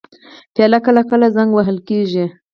پیاله کله کله زنګ وهل کېږي.